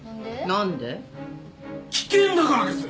危険だからです。